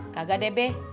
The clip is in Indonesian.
kagak deh be